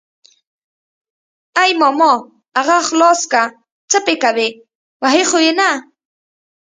ای ماما اغه خلاص که څه پې کوي وهي خو يې نه.